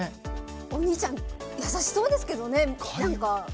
お兄ちゃん優しそうですけどね。